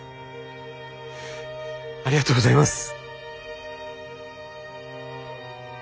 ありがとうございます。